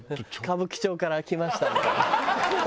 歌舞伎町から来ましたみたいな。